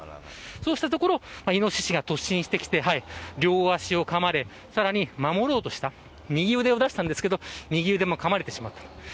そうしたところイノシシが突進してきて両足をかまれさらに守ろうとした右腕を出しましたがそこもかまれてしまったと。